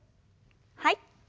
はい。